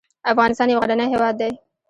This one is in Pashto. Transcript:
افغانستان يو غرنی هېواد دی